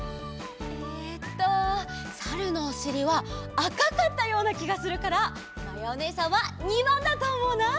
えっとサルのおしりはあかかったようなきがするからまやおねえさんは②ばんだとおもうな！